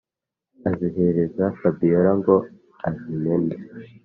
azihereza fabiora ngo azimene